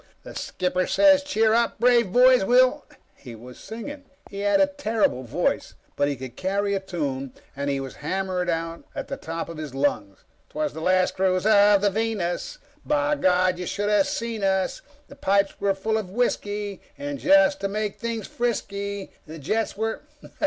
The Skipper says 'Cheer up, brave boys, we'll '_" He was singing. He had a terrible voice, but he could carry a tune, and he was hammering it out at the top of his lungs. "Twas the last cruise of the Venus, _by God you should of seen us! The pipes were full of whisky, and just to make things risky, the jets were